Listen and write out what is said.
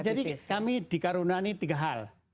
jadi kami dikarunani tiga hal